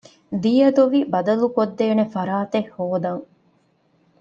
ދިޔަދޮވި ބަދަލުުކޮށްދޭނެ ފަރާތެއް ހޯދަން